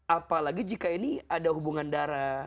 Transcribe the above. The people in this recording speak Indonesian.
apalagi jika ini ada hubungan darah